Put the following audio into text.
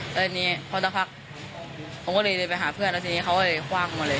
แล้วทีนี้พอสักพักผมก็เลยเดินไปหาเพื่อนแล้วทีนี้เขาก็เลยคว่างมาเลย